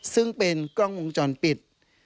ซึ่งเป็นกล้องวงจรปิด